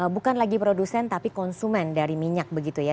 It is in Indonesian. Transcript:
bukan lagi produsen tapi konsumen dari minyak begitu ya